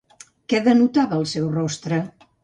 Què denotava el seu rostre?